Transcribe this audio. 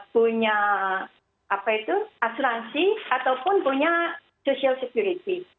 punya apa itu asuransi ataupun punya social security